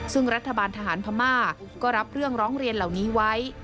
ซึ่งรัฐบาลทหารพม่าก็รับเรื่องร้องเรียนเหล่านี้ไว้